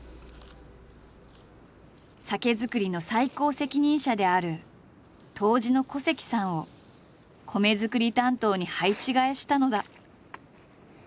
酒造りの最高責任者である杜氏の古関さんを米作り担当に配置換えしたのだ。